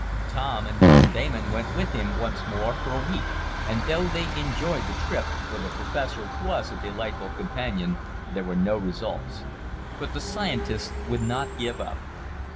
Tom and Mr. Damon went with him once more for a week, and though they enjoyed the trip, for the professor was a delightful companion, there were no results. But the scientist would not give up.